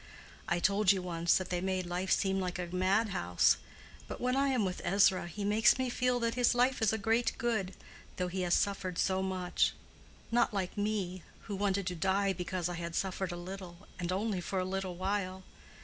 I told you once that they made life seem like a madhouse; but when I am with Ezra he makes me feel that his life is a great good, though he has suffered so much; not like me, who wanted to die because I had suffered a little, and only for a little while.